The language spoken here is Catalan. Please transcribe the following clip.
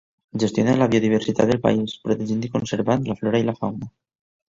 Gestiona la biodiversitat del país, protegint i conservant la flora i la fauna.